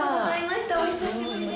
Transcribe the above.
お久しぶりです。